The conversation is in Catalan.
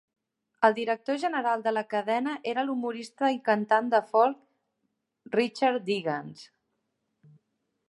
El director general de la cadena era l'humorista i cantant de folk Richard Digance.